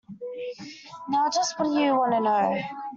Now just what do you want to know.